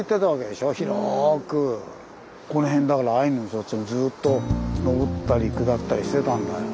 この辺だからアイヌの人たちがずっと上ったり下ったりしてたんだよ。